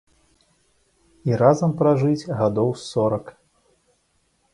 І разам пражыць гадоў сорак!